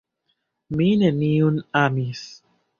mi neniun amis.